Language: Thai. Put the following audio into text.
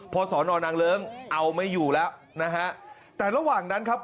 พอสอนอนางเลิ้งเอาไม่อยู่แล้วนะฮะแต่ระหว่างนั้นครับ